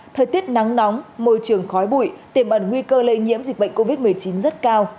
thời tiết nắng nóng môi trường khói bụi tiềm ẩn nguy cơ lây nhiễm dịch bệnh covid một mươi chín rất cao